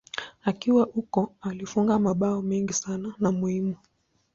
Akiwa huko alifunga mabao mengi sana na muhimu.